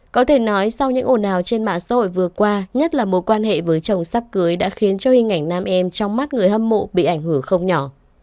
có thể nói sau những ồn ào trên mạng xã hội vừa qua nhất là mối quan hệ với chồng sắp cưới đã khiến cho hình ảnh nam em trong mắt người hâm mộ bị ảnh hưởng không nhỏ